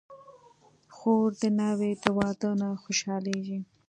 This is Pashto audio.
خور د ناوې د واده نه خوشحالېږي.